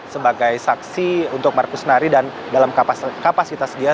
sebagai saksi untuk markus nari dan dalam kapasitas dia